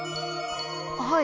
はい。